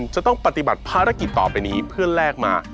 จะต้องปฏิบัติภารกิจต่อไปนี้เพื่อแลกมา